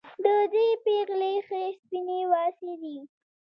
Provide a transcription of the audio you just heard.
د دې پېغلې ښې سپينې واڅې دي